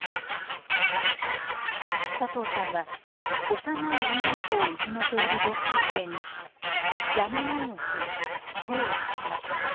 佐藤さんは幼い女の子をいじめている同級生に「やめなよ」と声をかけました。